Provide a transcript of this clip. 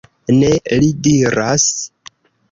Ne, li diras.